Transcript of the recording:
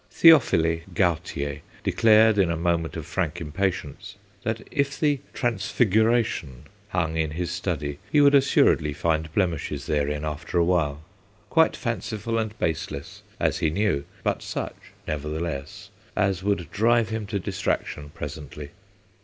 Théophile Gautier declared in a moment of frank impatience that if the Transfiguration hung in his study, he would assuredly find blemishes therein after awhile quite fanciful and baseless, as he knew, but such, nevertheless, as would drive him to distraction presently.